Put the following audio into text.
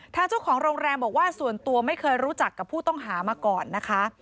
ทางเจ้าของโรงแรมบอกว่าส่วนตัวไม่เคยรู้จักกับผู้ต้องหามาก่อนนะคะ